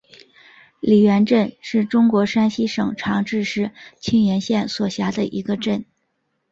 李元镇是中国山西省长治市沁源县所辖的一个镇。